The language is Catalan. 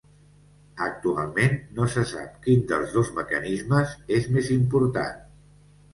Actualment no se sap quin dels dos mecanismes és més important.